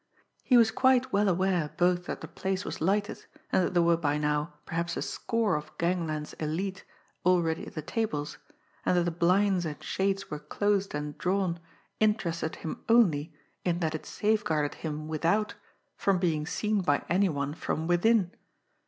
He was quite well aware both that the place was lighted and that there were by now perhaps a score of gangland's élite already at the tables; and that the blinds and shades were closed and drawn interested him only in that it safeguarded him without from being seen by any one from within!